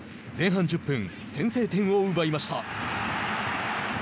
前半１０分先制点を奪いました。